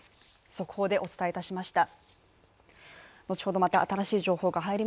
速報でお伝えいたしました。